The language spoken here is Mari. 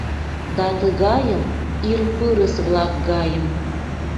Да тыгайым, ир пырыс-влак гайым